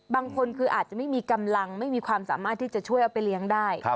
บางคนคืออาจจะไม่มีกำลังไม่มีความสามารถที่จะช่วยเอาไปเลี้ยงได้